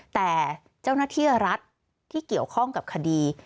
แต่เจ้าหน้าที่รัฐที่เกี่ยวข้องกับคดี